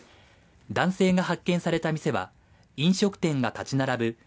男性が発見された店は飲食店が立ち並ぶ